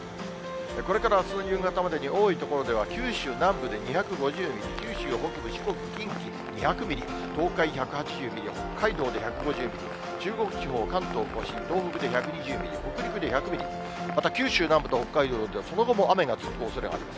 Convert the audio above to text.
これからあすの夕方までに、多い所では、九州南部で２５０ミリ、九州北部、四国、近畿２００ミリ、東海１８０ミリ、北海道で１５０ミリ、中国地方、関東甲信、東北で１２０ミリ、北陸で１００ミリ、また、九州南部と北海道では、その後も雨が続くおそれがあります。